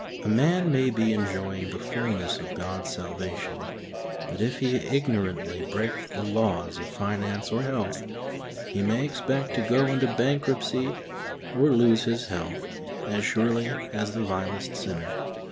A man may be enjoying the fulness of God's salvation, but if he ignorantly break the laws of finance or health, he may expett to go into bankruptcy or lose his health as surely as the vilest sinner.